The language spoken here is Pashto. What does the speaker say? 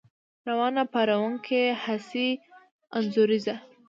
روانه، پارونکې، ، حسي، انځوريزه